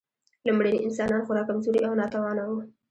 لومړني انسانان خورا کمزوري او ناتوانه وو.